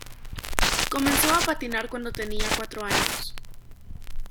Comenzó a patinar cuando tenía cuatro años.